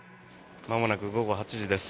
まもなく午後８時です。